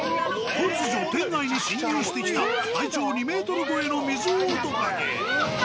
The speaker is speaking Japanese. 突如店内に侵入してきた体長２ｍ超えのミズオオトカゲ。